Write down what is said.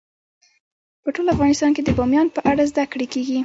په ټول افغانستان کې د بامیان په اړه زده کړه کېږي.